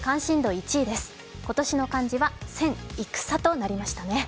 今年の漢字は「戦」となりましたね。